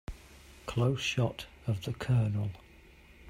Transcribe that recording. Close shot of the COLONEL.